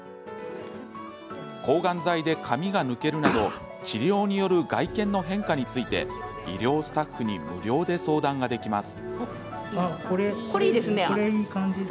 抗がん剤で髪が抜けるなど治療による外見の変化について医療スタッフに無料で相談ができます。